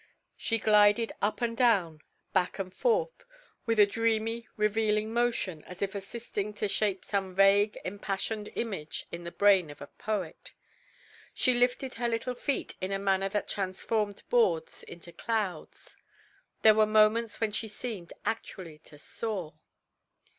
She glided up and down, back and forth, with a dreamy revealing motion as if assisting to shape some vague impassioned image in the brain of a poet. She lifted her little feet in a manner that transformed boards into clouds. There were moments when she seemed actually to soar.